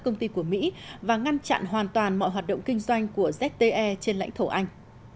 công ty của mỹ và ngăn chặn hoàn toàn mọi hoạt động kinh doanh của zte trên lãnh thổ anh